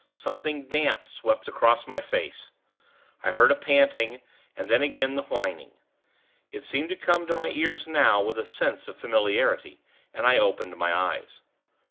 Something damp swept across my face. I heard a panting, and then again the whining. It seemed to come to my ears, now, with a sense of familiarity, and I opened my eyes.